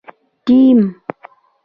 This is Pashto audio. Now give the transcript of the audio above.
ټیم